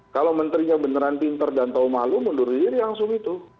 kalau menterinya beneran pinter dan tahu malu mundur diri langsung itu